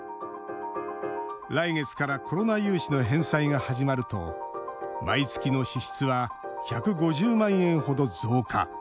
来月からコロナ融資の返済が始まると毎月の支出は１５０万円ほど増加。